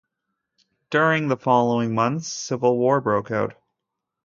During the following months, civil war broke out.